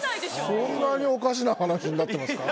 そんなにおかしな話になってますか？